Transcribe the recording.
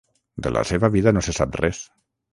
De la seva vida no se sap res.